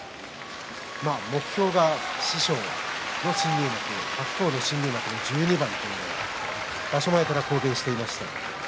目標が師匠の新入幕白鵬の新入幕１２番と場所前から公言していました。